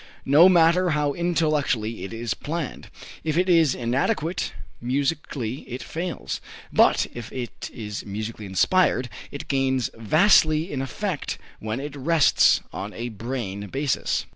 No matter how intellectually it is planned, if it is inadequate musically it fails. But if it is musically inspired, it gains vastly in effect when it rests on a brain basis.